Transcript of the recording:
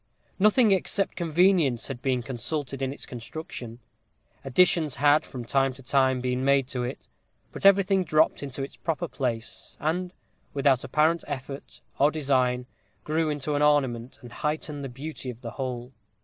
Nothing except convenience had been consulted in its construction: additions had from time to time been made to it, but everything dropped into its proper place, and, without apparent effort or design, grew into an ornament, and heightened the beauty of the whole.